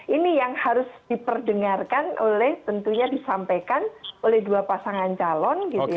ini yang harus diperdengarkan oleh tentunya disampaikan oleh dua pasangan calon gitu ya